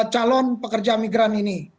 calon pekerja migran ini